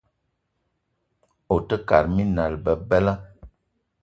Ote kate minal bebela.